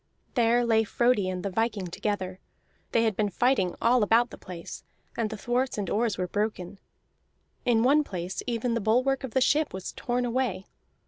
There lay Frodi and the viking together: they had been fighting all about the place, and the thwarts and oars were broken; in one place even the bulwark of the ship was torn away.